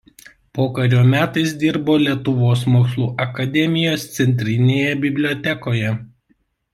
Pokario metais dirbo Lietuvos mokslų akademijos Centrinėje bibliotekoje.